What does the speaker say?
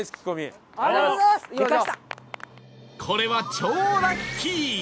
これは超ラッキー